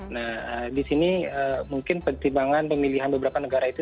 nah di sini mungkin pertimbangan pemilihan beberapa negara itu